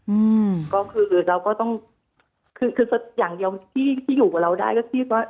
อืมก็คือเราก็ต้องคือคืออย่างเดียวที่ที่อยู่กับเราได้ก็คิดว่า